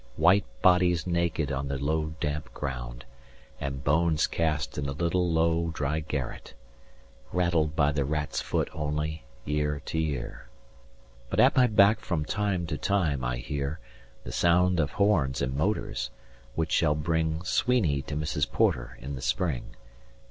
White bodies naked on the low damp ground And bones cast in a little low dry garret, Rattled by the rat's foot only, year to year. 195 But at my back from time to time I hear The sound of horns and motors, which shall bring Sweeney to Mrs. Porter in the spring.